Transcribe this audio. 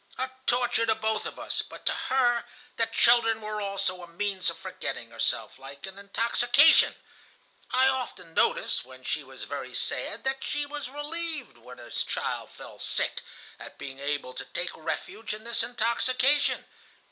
"A torture to both of us, but to her the children were also a means of forgetting herself, like an intoxication. I often noticed, when she was very sad, that she was relieved, when a child fell sick, at being able to take refuge in this intoxication.